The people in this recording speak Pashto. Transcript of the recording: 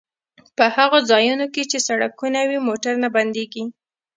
په هغو ځایونو کې چې سړکونه وي موټر نه بندیږي